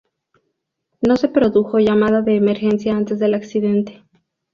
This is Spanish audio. No se produjo llamada de emergencia antes del accidente.